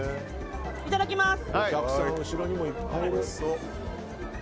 いただきます。